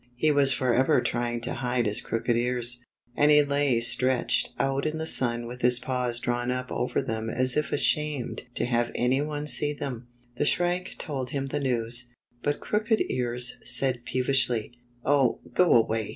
He was forever trying to hide his crooked ears, and he lay stretched out in the sun with his paws drawn up over them as if ashamed to have any one see them. The Shrike told him the news, but Crooked Ears said peevishly: "Oh, go away!